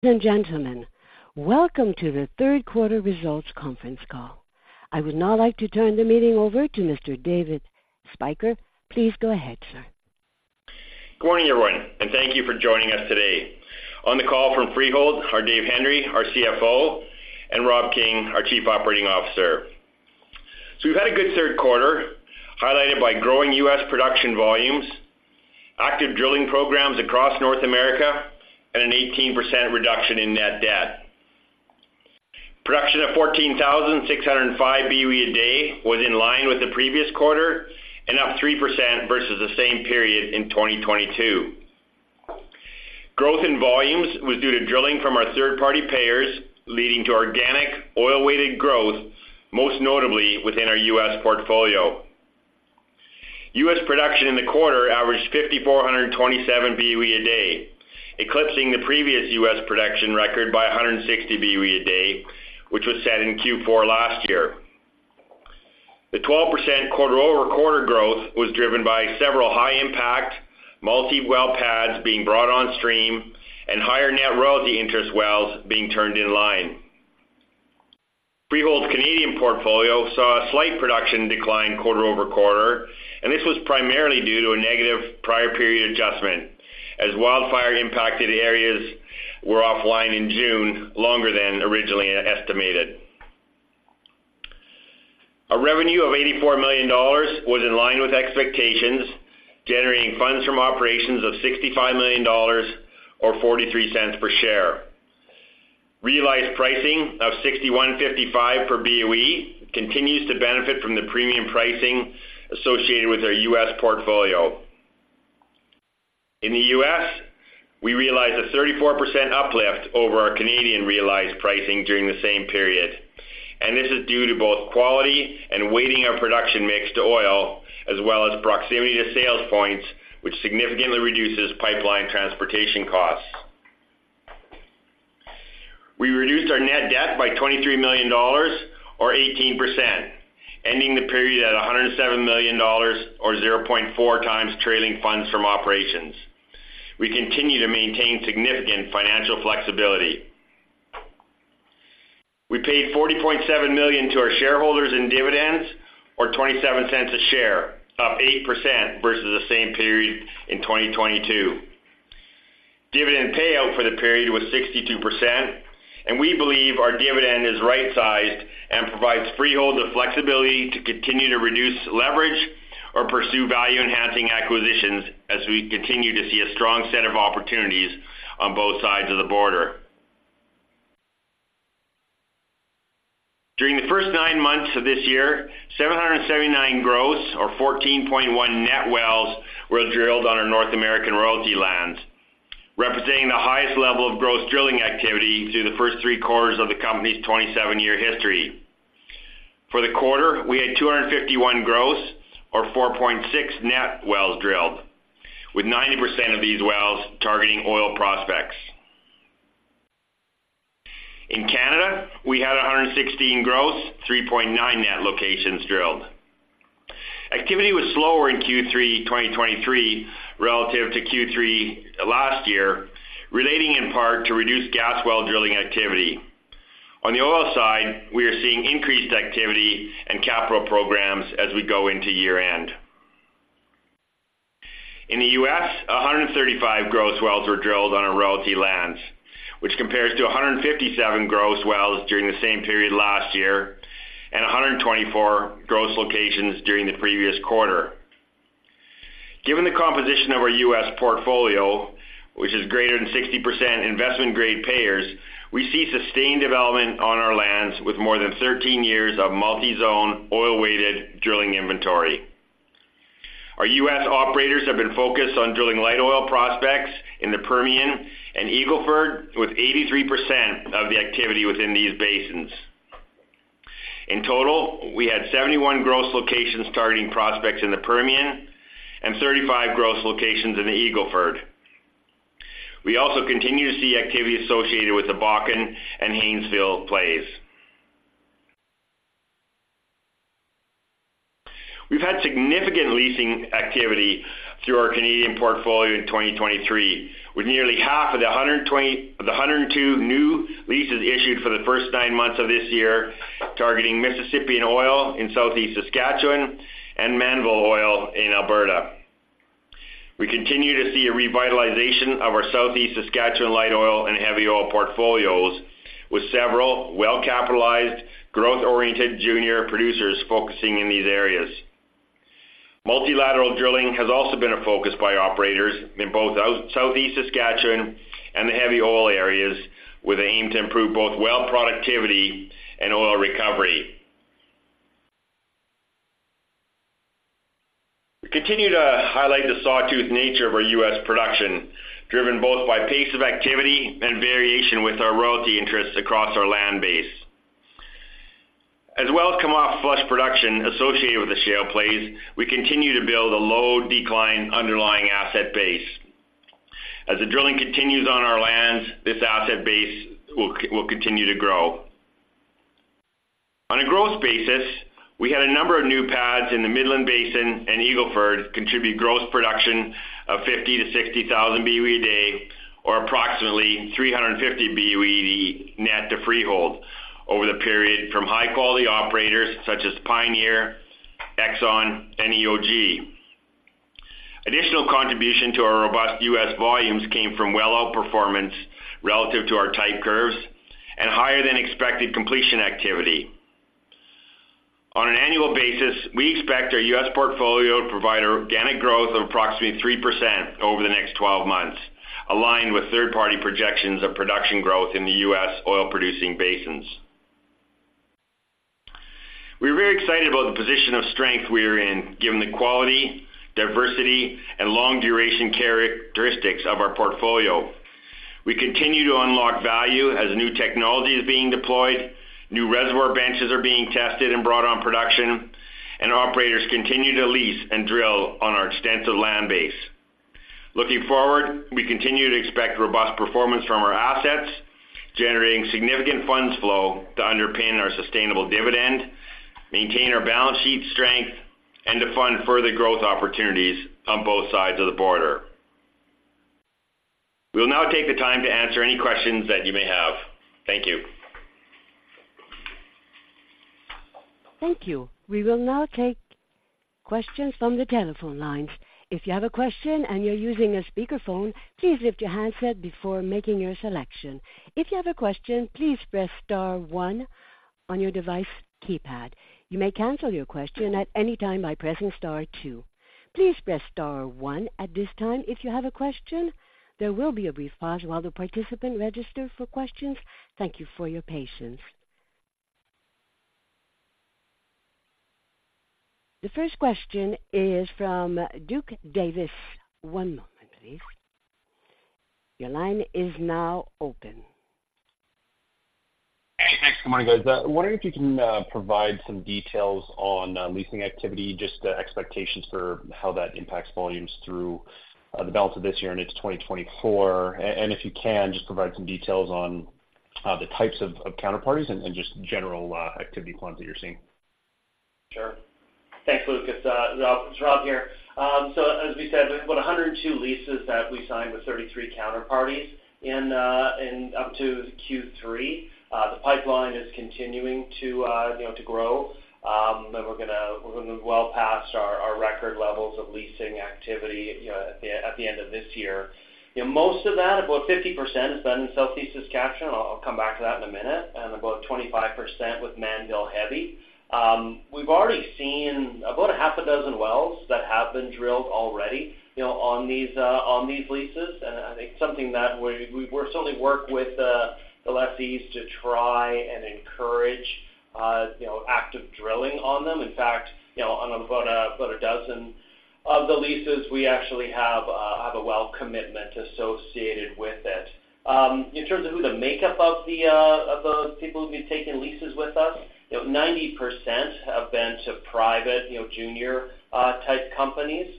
Ladies and gentlemen, welcome to the third quarter results conference call. I would now like to turn the meeting over to Mr. David Spyker. Please go ahead, sir. Good morning, everyone, and thank you for joining us today. On the call from Freehold are Dave Hendry, our CFO, and Rob King, our Chief Operating Officer. We've had a good third quarter, highligh ted by growing U.S. production volumes, active drilling programs across North America, and an 18% reduction in net debt. Production of 14,605 BOE a day was in line with the previous quarter and up 3% versus the same period in 2022. Growth in volumes was due to drilling from our third-party payers, leading to organic oil-weighted growth, most notably within our U.S. portfolio. U.S. production in the quarter averaged 5,427 BOE a day, eclipsing the previous U.S. production record by 160 BOE a day, which was set in Q4 last year. The 12% quarter-over-quarter growth was driven by several high-impact, multi-well pads being brought on stream and higher net royalty interest wells being turned in line. Freehold's Canadian portfolio saw a slight production decline quarter-over-quarter, and this was primarily due to a negative prior period adjustment, as wildfire-impacted areas were offline in June, longer than originally estimated. A revenue of 84 million dollars was in line with expectations, generating funds from operations of 65 million dollars or 0.43 per share. Realized pricing of $61.55 per BOE continues to benefit from the premium pricing associated with our U.S. portfolio. In the U.S., we realized a 34% uplift over our Canadian realized pricing during the same period, and this is due to both quality and weighting our production mix to oil, as well as proximity to sales points, which significantly reduces pipeline transportation costs. We reduced our net debt by 23 million dollars or 18%, ending the period at 107 million dollars or 0.4 times trailing funds from operations. We continue to maintain significant financial flexibility. We paid 40.7 million to our shareholders in dividends or 0.27 a share, up 8% versus the same period in 2022. Dividend payout for the period was 62%, and we believe our dividend is right-sized and provides Freehold the flexibility to continue to reduce leverage or pursue value-enhancing acquisitions as we continue to see a strong set of opportunities on both sides of the border. During the first nine months of this year, 779 gross, or 14.1 net wells, were drilled on our North American royalty lands, representing the highest level of gross drilling activity through the first three quarters of the company's 27-year history. For the quarter, we had 251 gross or 4.6 net wells drilled, with 90% of these wells targeting oil prospects. In Canada, we had 116 gross, 3.9 net locations drilled. Activity was slower in Q3 2023 relative to Q3 last year, relating in part to reduced gas well drilling activity. On the oil side, we are seeing increased activity and capital programs as we go into year-end. In the US, 135 gross wells were drilled on our royalty lands, which compares to 157 gross wells during the same period last year and 124 gross locations during the previous quarter. Given the composition of our US portfolio, which is greater than 60% investment-grade payers, we see sustained development on our lands with more than 13 years of multi-zone, oil-weighted drilling inventory. Our US operators have been focused on drilling light oil prospects in the Permian and Eagle Ford, with 83% of the activity within these basins. In total, we had 71 gross locations targeting prospects in the Permian and 35 gross locations in the Eagle Ford. We also continue to see activity associated with the Bakken and Haynesville plays. We've had significant leasing activity through our Canadian portfolio in 2023, with nearly half of the 102 new leases issued for the first nine months of this year, targeting Mississippian oil in Southeast Saskatchewan and Mannville oil in Alberta. We continue to see a revitalization of our Southeast Saskatchewan light oil and heavy oil portfolios, with several well-capitalized, growth-oriented junior producers focusing in these areas. Multilateral drilling has also been a focus by operators in both southeast Saskatchewan and the heavy oil areas, with an aim to improve both well productivity and oil recovery. We continue to highlight the sawtooth nature of our U.S. production, driven both by pace of activity and variation with our royalty interests across our land base. As wells come off flush production associated with the shale plays, we continue to build a low-decline underlying asset base. As the drilling continues on our lands, this asset base will continue to grow. ...On a gross basis, we had a number of new pads in the Midland Basin and Eagle Ford contribute gross production of 50,000-60,000 BOE a day, or approximately 350 BOE net to Freehold over the period from high-quality operators such as Pioneer, Exxon, and EOG. Additional contribution to our robust US volumes came from well outperformance relative to our type curves and higher than expected completion activity. On an annual basis, we expect our US portfolio to provide organic growth of approximately 3% over the next 12 months, aligned with third-party projections of production growth in the US oil-producing basins. We're very excited about the position of strength we are in, given the quality, diversity, and long duration characteristics of our portfolio. We continue to unlock value as new technology is being deployed, new reservoir benches are being tested and brought on production, and operators continue to lease and drill on our extensive land base. Looking forward, we continue to expect robust performance from our assets, generating significant funds flow to underpin our sustainable dividend, maintain our balance sheet strength, and to fund further growth opportunities on both sides of the border. We will now take the time to answer any questions that you may have. Thank you. Thank you. We will now take questions from the telephone lines. If you have a question and you're using a speakerphone, please lift your handset before making your selection. If you have a question, please press star one on your device keypad. You may cancel your question at any time by pressing star two. Please press star one at this time if you have a question. There will be a brief pause while the participants register for questions. Thank you for your patience. The first question is from Lucas Davis. One moment, please. Your line is now open. Thanks. Good morning, guys. Wondering if you can provide some details on leasing activity, just the expectations for how that impacts volumes through the balance of this year and into 2024. And if you can, just provide some details on the types of counterparties and just general activity plans that you're seeing. Sure. Thanks, Lucas. Rob, it's Rob here. So as we said, we've got 102 leases that we signed with 33 counterparties in up to Q3. The pipeline is continuing to, you know, to grow, and we're gonna—we're gonna move well past our record levels of leasing activity, you know, at the end of this year. You know, most of that, about 50%, is done in Southeast Saskatchewan. I'll come back to that in a minute, and about 25% with Mannville Heavy. We've already seen about 6 wells that have been drilled already, you know, on these leases. And I think something that we, we've—we're certainly work with the lessees to try and encourage, you know, active drilling on them. In fact, you know, on about a dozen of the leases, we actually have a well commitment associated with it. In terms of who the makeup of the people who've been taking leases with us, you know, 90% have been to private, you know, junior type companies.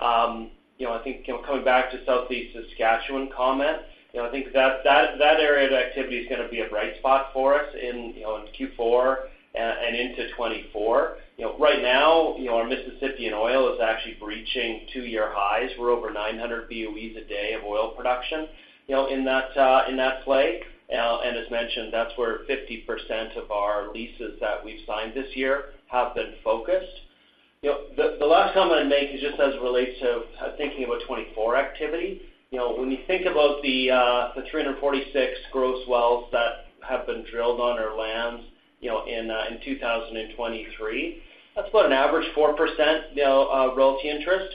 You know, I think, you know, coming back to Southeast Saskatchewan comment, you know, I think that, that, that area of activity is gonna be a bright spot for us in, you know, in Q4 and into 2024. You know, right now, you know, our Mississippian oil is actually breaching two-year highs. We're over 900 BOEs a day of oil production, you know, in that play. And as mentioned, that's where 50% of our leases that we've signed this year have been focused. You know, the last comment I'd make is just as it relates to thinking about 2024 activity. You know, when you think about the 346 gross wells that have been drilled on our lands, you know, in 2023, that's about an average 4% royalty interest.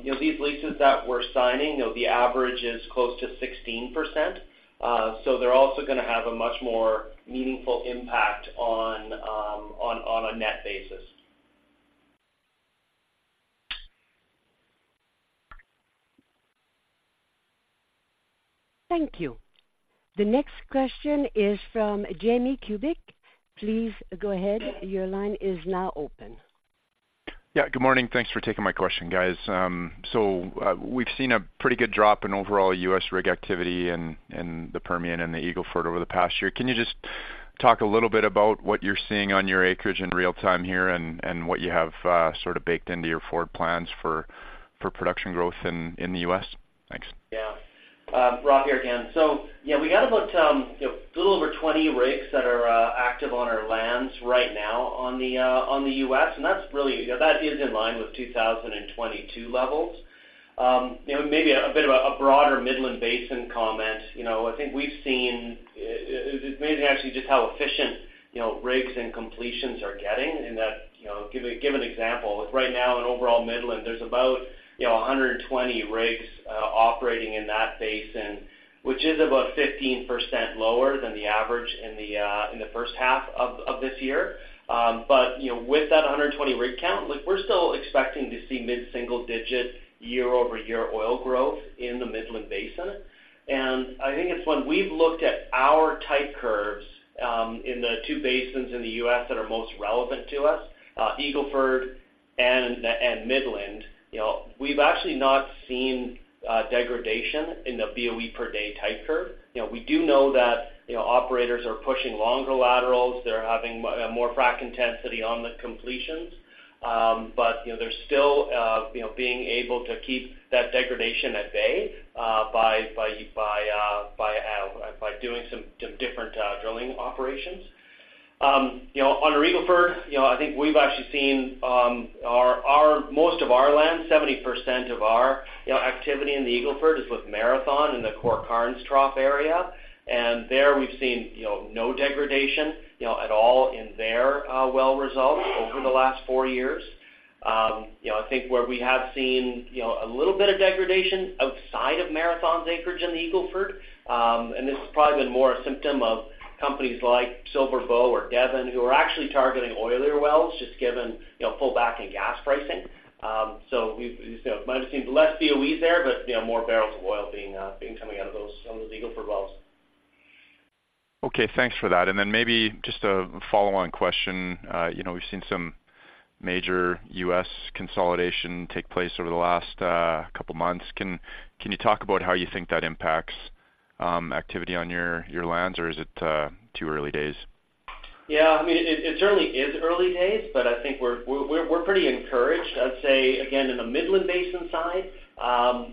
You know, these leases that we're signing, you know, the average is close to 16%, so they're also gonna have a much more meaningful impact on a net basis. Thank you. The next question is from Jamie Kubik. Please go ahead. Your line is now open. Yeah, good morning. Thanks for taking my question, guys. So, we've seen a pretty good drop in overall U.S. rig activity in the Permian and the Eagle Ford over the past year. Can you just talk a little bit about what you're seeing on your acreage in real time here, and what you have sort of baked into your forward plans for production growth in the U.S.? Thanks. Yeah. Rob here again. So yeah, we got about, you know, a little over 20 rigs that are active on our lands right now on the on the U.S., and that's really... You know, that is in line with 2022 levels. You know, maybe a bit of a broader Midland Basin comment. You know, I think we've seen, maybe actually just how efficient, you know, rigs and completions are getting, and that, you know, give an example. Right now, in overall Midland, there's about, you know, 120 rigs operating in that basin, which is about 15% lower than the average in the first half of this year. But, you know, with that 120 rig count, look, we're still expecting to see mid-single digit year-over-year oil growth in the Midland Basin. And I think it's when we've looked at our type curves, in the two basins in the US that are most relevant to us, Eagle Ford and Midland, you know, we've actually not seen degradation in the BOE per day type curve. You know, we do know that, you know, operators are pushing longer laterals. They're having more frac intensity on the completions. But, you know, they're still, you know, being able to keep that degradation at bay, by doing some different drilling operations. You know, on our Eagle Ford, you know, I think we've actually seen our most of our land, 70% of our, you know, activity in the Eagle Ford is with Marathon in the core Karnes Trough area. And there we've seen, you know, no degradation, you know, at all in their well results over the last four years. You know, I think where we have seen, you know, a little bit of degradation outside of Marathon's acreage in the Eagle Ford, and this has probably been more a symptom of companies like SilverBow or Devon, who are actually targeting oilier wells, just given, you know, pull back in gas pricing. So we've, you know, might have seen less BOEs there, but, you know, more barrels of oil being coming out of those, some of those Eagle Ford wells. Okay, thanks for that. Then maybe just a follow-on question. You know, we've seen some major U.S. consolidation take place over the last couple of months. Can you talk about how you think that impacts activity on your lands, or is it too early days? Yeah, I mean, it certainly is early days, but I think we're pretty encouraged. I'd say, again, in the Midland Basin side,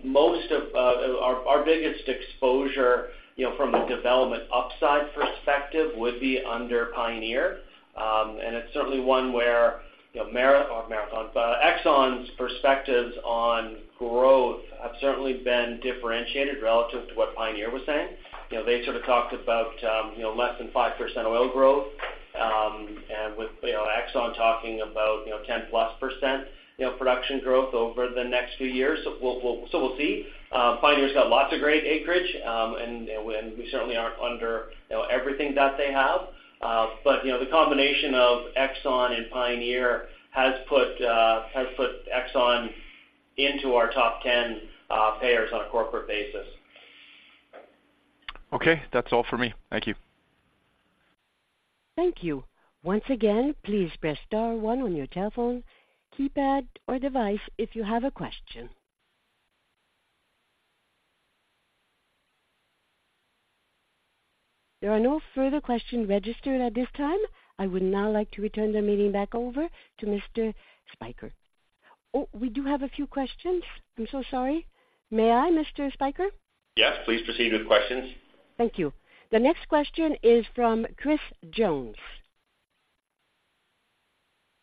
most of our biggest exposure, you know, from the development upside perspective would be under Pioneer. And it's certainly one where, you know, Marathon, not Marathon, but Exxon's perspectives on growth have certainly been differentiated relative to what Pioneer was saying. You know, they sort of talked about, you know, less than 5% oil growth, and with, you know, Exxon talking about, you know, 10%+ production growth over the next few years. So we'll see. Pioneer's got lots of great acreage, and we certainly aren't under, you know, everything that they have. But, you know, the combination of Exxon and Pioneer has put Exxon into our top 10 payers on a corporate basis. Okay, that's all for me. Thank you. Thank you. Once again, please press star one on your telephone keypad or device if you have a question. There are no further questions registered at this time. I would now like to return the meeting back over to Mr. Spyker. Oh, we do have a few questions. I'm so sorry. May I, Mr. Spyker? Yes, please proceed with questions. Thank you. The next question is from Chris Jones.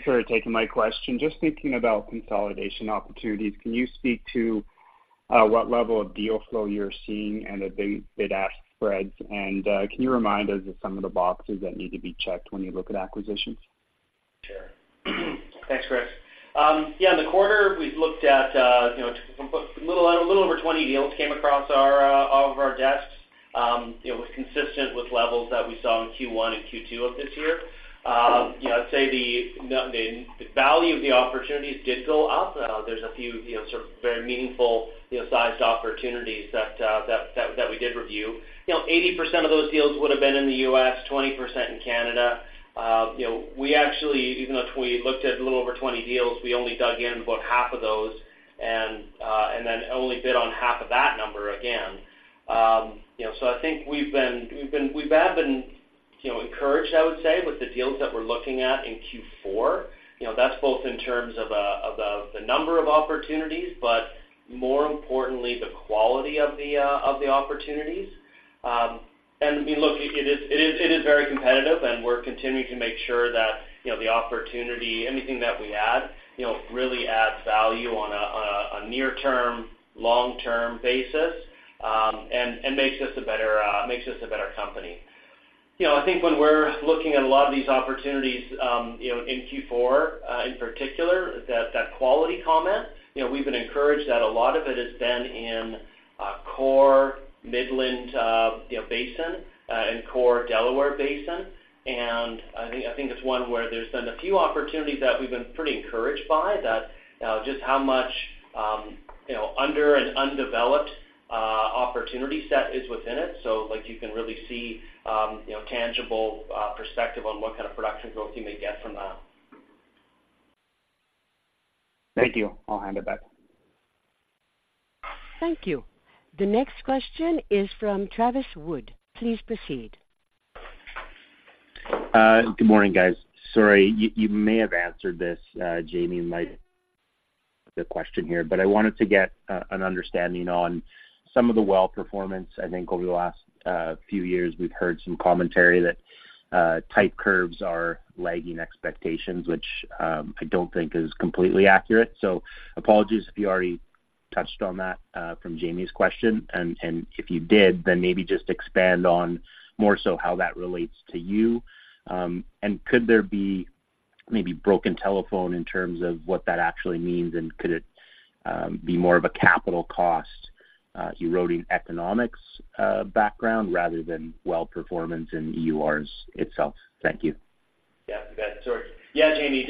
Sure, taking my question. Just thinking about consolidation opportunities, can you speak to what level of deal flow you're seeing and the bid-ask spreads? And, can you remind us of some of the boxes that need to be checked when you look at acquisitions? Sure. Thanks, Chris. Yeah, in the quarter, we've looked at, you know, a little over 20 deals came across our off of our desks. It was consistent with levels that we saw in Q1 and Q2 of this year. You know, I'd say the value of the opportunities did go up. There's a few, you know, sort of very meaningful sized opportunities that we did review. You know, 80% of those deals would have been in the U.S., 20% in Canada. You know, we actually, even though we looked at a little over 20 deals, we only dug in about half of those and then only bid on half of that number again. You know, so I think we've been, we have been, you know, encouraged, I would say, with the deals that we're looking at in Q4. You know, that's both in terms of, of the number of opportunities, but more importantly, the quality of the opportunities. And I mean, look, it is very competitive, and we're continuing to make sure that, you know, the opportunity, anything that we add, you know, really adds value on a near-term, long-term basis, and makes us a better company. You know, I think when we're looking at a lot of these opportunities, you know, in Q4, in particular, that, that quality comment, you know, we've been encouraged that a lot of it has been in, core Midland, you know, Basin, and core Delaware Basin. And I think, I think it's one where there's been a few opportunities that we've been pretty encouraged by, that, just how much, you know, under and undeveloped, opportunity set is within it. So, like, you can really see, you know, tangible, perspective on what kind of production growth you may get from that. Thank you. I'll hand it back. Thank you. The next question is from Travis Wood. Please proceed. Good morning, guys. Sorry, you may have answered this, Jamie. The question here, but I wanted to get an understanding on some of the well performance. I think over the last few years, we've heard some commentary that type curves are lagging expectations, which I don't think is completely accurate. So apologies if you already touched on that from Jamie's question. And if you did, then maybe just expand on more so how that relates to you. And could there be maybe broken telephone in terms of what that actually means? And could it be more of a capital cost eroding economics background rather than well performance in EURs itself? Thank you. Yeah, you bet. Sorry. Yeah, Jamie,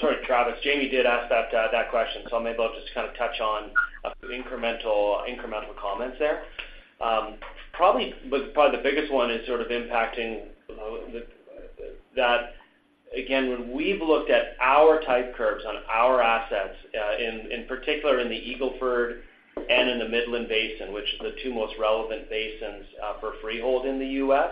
sorry, Travis. Jamie did ask that question, so I may be able to just kind of touch on a few incremental comments there. Probably the biggest one is sort of impacting that, again, when we've looked at our type curves on our assets, in particular in the Eagle Ford and in the Midland Basin, which are the two most relevant basins for Freehold in the U.S.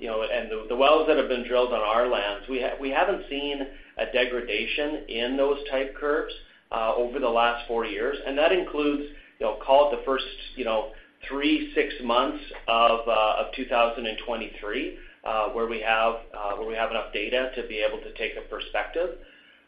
You know, the wells that have been drilled on our lands, we haven't seen a degradation in those type curves over the last 4 years, and that includes, you know, call it the first 3-6 months of 2023, where we have enough data to be able to take a perspective,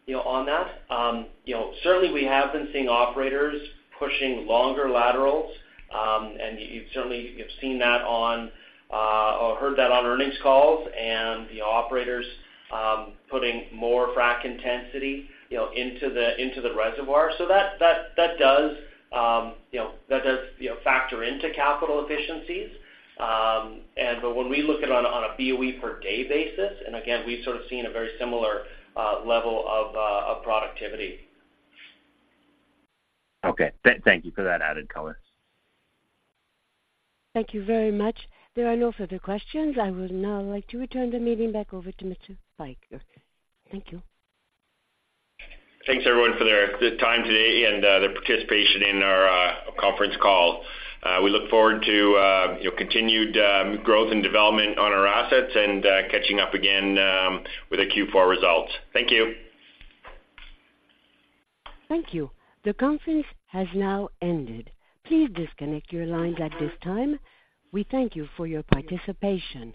you know, on that. You know, certainly we have been seeing operators pushing longer laterals, and you certainly have seen that on, or heard that on earnings calls, and the operators putting more frac intensity, you know, into the reservoir. So that does, you know, factor into capital efficiencies. But when we look at, on a BOE per day basis, and again, we've sort of seen a very similar level of productivity. Okay. Thank you for that added color. Thank you very much. There are no further questions. I would now like to return the meeting back over to Mr. Spyker. Thank you. Thanks, everyone, for their time today and their participation in our conferortence call. We look forward to, you know, continued growth and development on our assets and catching up again with the Q4 results. Thank you. Thank you. The conference has now ended. Please disconnect your lines at this time. We thank you for your participation.